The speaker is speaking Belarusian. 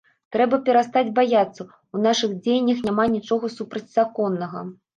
Трэба перастаць баяцца, у нашых дзеяннях няма нічога супрацьзаконнага.